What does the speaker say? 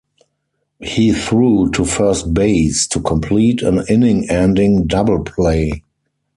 He threw to first base to complete an inning-ending double play.